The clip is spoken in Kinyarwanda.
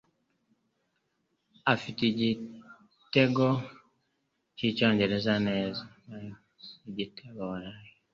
Afite itegeko ryicyongereza neza.